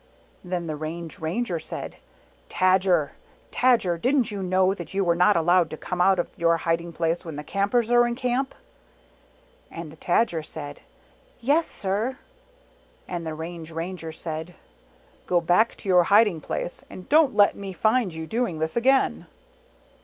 " Then the Range Ranger said, " Tadger, Tadger, didn't you know that you were not allowed to come t. *''",.!>.. O rlj ij^t ,'3? out of your hiding place when the Campers are in Camp?" And the Tajer said, "Yes, sir." And the Range Ranger said, " Go back to your hiding place; and don't let me find you doing this again."